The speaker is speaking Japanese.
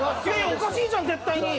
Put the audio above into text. おかしいじゃん絶対に。